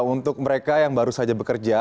untuk mereka yang baru saja bekerja